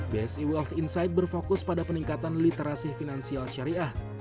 bsi wealth insight berfokus pada peningkatan literasi finansial syariah